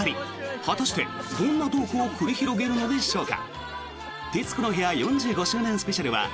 果たしてどんなトークを繰り広げるのでしょうか。